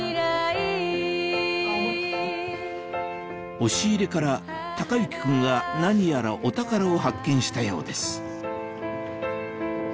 押し入れから孝之君が何やらお宝を発見したようです